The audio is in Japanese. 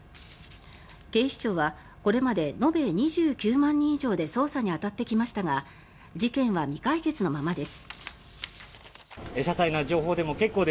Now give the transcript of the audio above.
警視庁はこれまで延べ２９万人以上で捜査に当たってきましたが事件は未解決のままです。